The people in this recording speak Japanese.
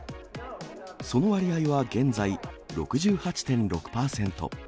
その割合は現在、６８．６％。